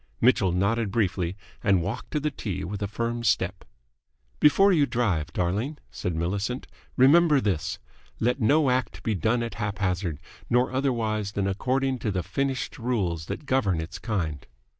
Mitchell nodded briefly, and walked to the tee with a firm step. "Before you drive, darling," said Millicent, "remember this. Let no act be done at haphazard, nor otherwise than according to the finished rules that govern its kind."